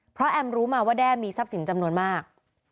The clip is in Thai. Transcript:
เพราะแอมรู้มาว่าแด้มีทรัพย์สินจำนวนมาก